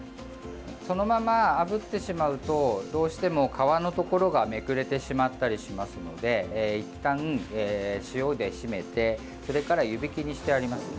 そのまま、あぶってしまうとどうしても皮のところがめくれてしまったりしますのでいったん塩で絞めて、それから湯引きにしてあります。